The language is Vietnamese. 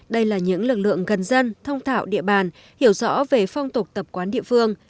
đây là những lực lượng gần dân thông thảo địa bàn hiểu rõ về phong tục tập quán địa phương